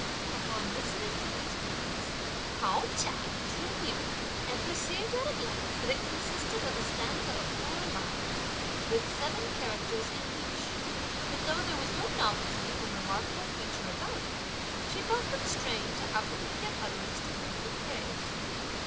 Upon listening to these words, Pao ch'ai drew near, and perceived at a glance, that it consisted of a stanza of four lines, with seven characters in each; but though there was no novelty or remarkable feature about it, she felt constrained to outwardly give utterance to words of praise.